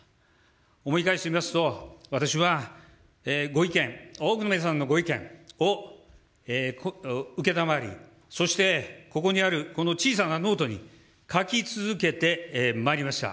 思い返してみますと、私は、ご意見、多くの皆さんのご意見を承り、そして、ここにあるこの小さなノートに書き続けてまいりました。